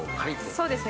そうですね